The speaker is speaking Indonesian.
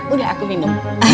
udah aku minum